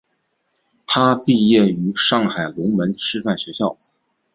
他毕业于上海龙门师范学校。